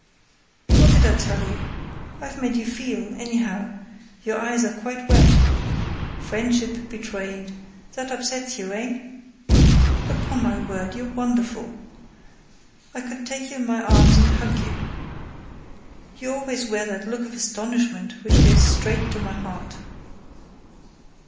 —What did I tell you? I've made you feel, anyhow; your eyes are quite wet!—Friendship betrayed: that upsets you, eh? Upon my word, you're wonderful! I could take you in my arms and hug you! You always wear that look of astonishment which goes straight to my heart.